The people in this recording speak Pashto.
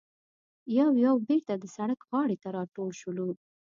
یو یو بېرته د سړک غاړې ته راټول شولو.